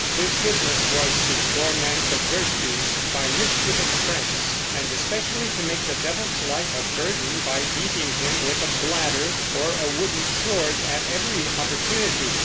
His business was to torment the "virtues" by mischievous pranks, and especially to make the devil's life a burden by beating him with a bladder or a wooden sword at every opportunity.